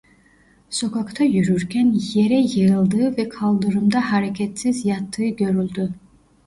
Sokakta yürürken yere yığıldığı ve kaldırımda hareketsiz yattığı görüldü.